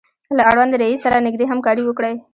له اړونده رئیس سره نږدې همکاري وکړئ.